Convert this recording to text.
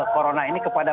corona ini kepada